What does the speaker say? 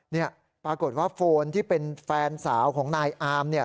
เนี่ยปรากฏว่าโฟนที่เป็นแฟนสาวของนายอามเนี่ย